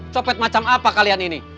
copet macam apa kalian ini